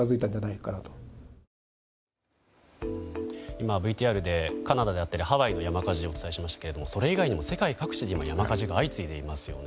今、ＶＴＲでカナダやハワイの山火事をお伝えしましたがそれ以外でも世界各地で今、山火事が相次いでいます。